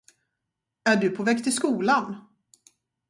Är du på väg till skolan?